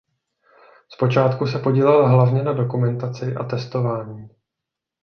Zpočátku se podílel hlavně na dokumentaci a testování.